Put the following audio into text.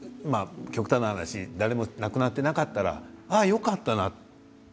変な話誰も亡くなっていなかったらああ、よかったなって